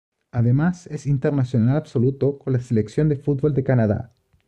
Además es internacional absoluto con la selección de fútbol de Canadá.